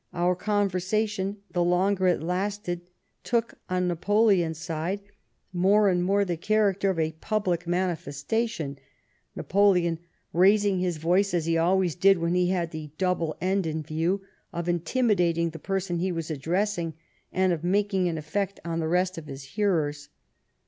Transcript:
Our conversation, the longer it lasted, took, on Napoleon's side, more and more TEE EMBASSY TO PARIS. 25 the character of a public manifestation, Napoleon raising his voice, as he always did when he had the double end in view of intimidating the person he was addressing, and of making an effect on the rest of his hearers.